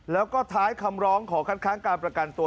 แล้วก็ท้ายคำร้องขอคัดค้างการประกันตัว